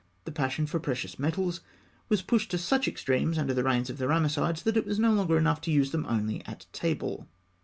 The passion for precious metals was pushed to such extremes under the reigns of the Ramessides that it was no longer enough to use them only at table.